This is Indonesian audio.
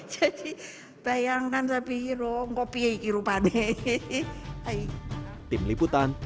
jadi bayangkan saya pikir kok pdip ini paham